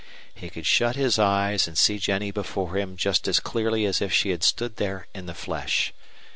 He could shut his eyes and see Jennie before him just as clearly as if she had stood there in the flesh.